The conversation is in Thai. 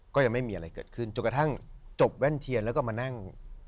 ก็ยังไม่มีอะไรเกิดขึ้นจนกระทั่งจบแว่นเทียนแล้วก็มานั่ง